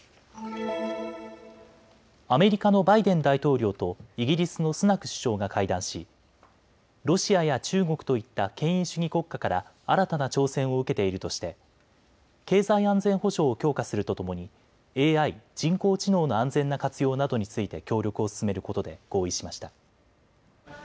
アメリカのバイデン大統領とイギリスのスナク首相が会談しロシアや中国といった権威主義国家から新たな挑戦を受けているとして経済安全保障を強化するとともにＡＩ・人工知能の安全な活用などについて協力を進めることで合意しました。